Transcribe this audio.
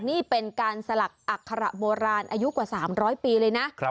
นี่เป็นการสลักอัคระโบราณอายุกว่า๓๐๐ปีเลยนะ